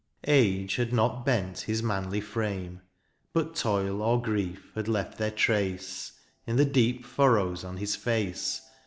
Age had not bent his manly frame. But toil or grief had left their trace. In the deep furrows on his face.